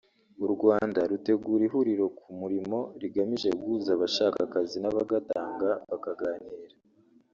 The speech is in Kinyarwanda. u Rwanda rutegura ihuriro ku murimo rigamije guhuza abashaka akazi n’abagatanga bakaganira